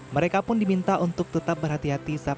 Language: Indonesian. mereka pun diminta untuk tetap berhati hati saat melintasi jembatan